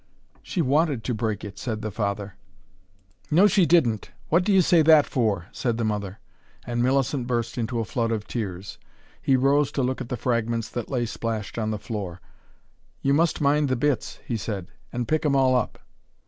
"She wanted to break it," said the father. "No, she didn't! What do you say that for!" said the mother. And Millicent burst into a flood of tears. He rose to look at the fragments that lay splashed on the floor. "You must mind the bits," he said, "and pick 'em all up."